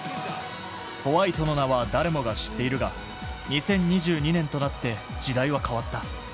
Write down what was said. ホワイトの名は誰もが知っているが、２０２２年となって時代は変わった。